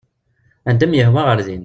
Anda i am-yehwa ɣer din.